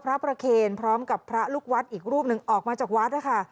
พระประเคนพร้อมกับพระลูกวัดอีกรูปหนึ่งออกมาจากวัดนะคะ